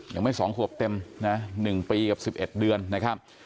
ยังไม่๒ขวบเต็มนะ๑ปีกับ๑๑เดือนนะครับ